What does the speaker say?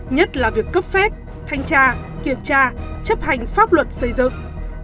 nhất là việc cấp phép thanh tra kiểm tra chấp hành pháp luật xây dựng